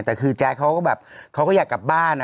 แต่คือแจ๊กเขาก็อยากกลับบ้าน